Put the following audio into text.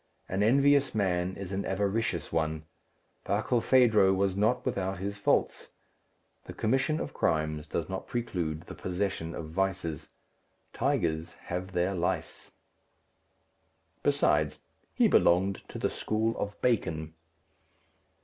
An envious man is an avaricious one. Barkilphedro was not without his faults. The commission of crimes does not preclude the possession of vices. Tigers have their lice. Besides, he belonged to the school of Bacon.